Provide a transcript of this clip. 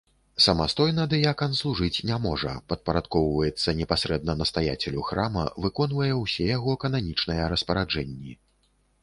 Самастойна дыякан служыць не можа, падпарадкоўваецца непасрэдна настаяцелю храма, выконвае ўсе яго кананічныя распараджэнні.